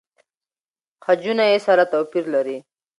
خجونه يې سره توپیر لري.